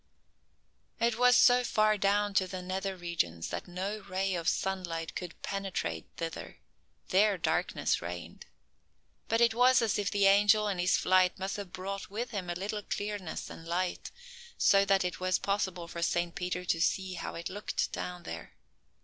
It was so far down to the nether regions that no ray of sunlight could penetrate thither: there darkness reigned. But it was as if the angel in his flight must have brought with him a little clearness and light, so that it was possible for Saint Peter to see how it looked down there.